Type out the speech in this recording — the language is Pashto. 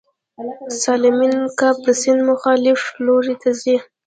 سالمن کب د سیند مخالف لوري ته ځي